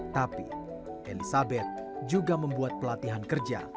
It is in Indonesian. tapi elizabeth juga membuat pelatihan kerja